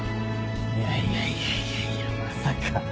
いやいやいやいやいやまさか。